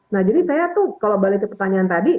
nah jadi saya tuh kalau balik ke pertanyaan tadi